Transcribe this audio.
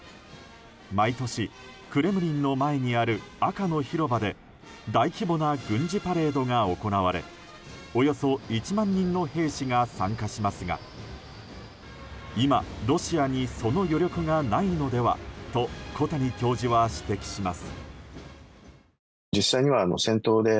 毎年、クレムリンの前にある赤の広場で大規模な軍事パレードが行われおよそ１万人の兵士が参加しますが今、ロシアにその余力がないのではと小谷教授は指摘します。